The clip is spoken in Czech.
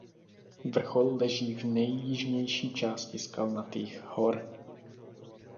Vrchol leží v nejjižnější části Skalnatých hor.